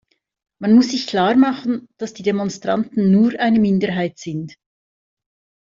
Man muss sich klarmachen, dass die Demonstranten nur eine Minderheit sind.